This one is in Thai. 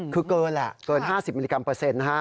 คือเกินแหละเกิน๕๐มิลลิกรัมเปอร์เซ็นต์นะฮะ